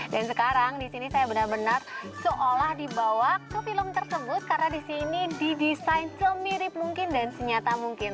dan sekarang disini saya benar benar seolah dibawa ke film tersebut karena disini didesain semirip mungkin dan senyata mungkin